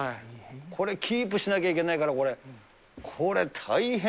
これ、キープしなきゃいけないからこれ、大変。